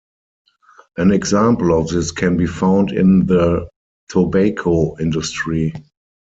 An example of this can be found in the Tobacco industry.